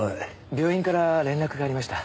病院から連絡がありました。